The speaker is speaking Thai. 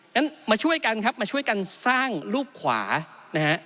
งั้นมาช่วยกันครับมาช่วยกันสร้างรูปขวานะฮะ